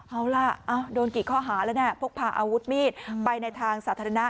เอาล่ะโดนกี่ข้อหาแล้วเนี่ยพกพาอาวุธมีดไปในทางสาธารณะ